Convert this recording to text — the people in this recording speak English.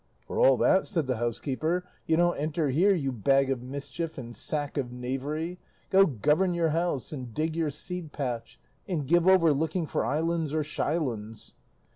"For all that," said the housekeeper, "you don't enter here, you bag of mischief and sack of knavery; go govern your house and dig your seed patch, and give over looking for islands or shylands."